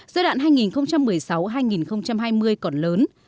giai đoạn hai nghìn một mươi sáu hai nghìn hai mươi còn lớn